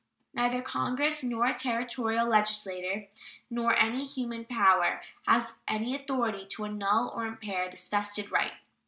Neither Congress nor a Territorial legislature nor any human power has any authority to annul or impair this vested right.